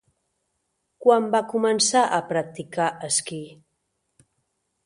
Quan va començar a practicar esquí?